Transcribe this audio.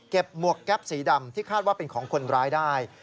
หมวกแก๊ปสีดำที่คาดว่าเป็นของคนร้ายได้